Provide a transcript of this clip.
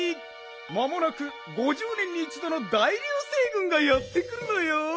まもなく５０年にいちどの大りゅう星ぐんがやってくるのよん。